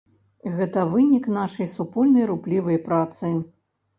Гэта вынік нашай супольнай руплівай працы.